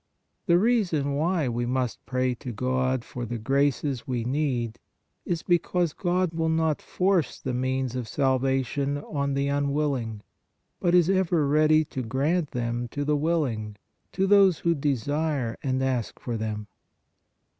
The reason why we must pray to God for the graces we need, is because God will not force the means of salvation on the unwilling, but is ever ready to grant them to the willing, to those who desire and ask for them.